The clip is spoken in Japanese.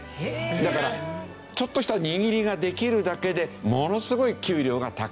だからちょっとした握りができるだけでものすごい給料が高い。